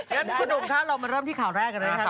เดี๋ยวคุณหนุ่มคะเรามาเริ่มที่ข่าวแรกกันด้วยครับ